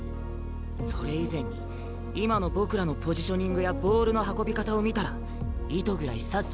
それ以前に今の僕らのポジショニングやボールの運び方を見たら意図ぐらい察知できるはずだ。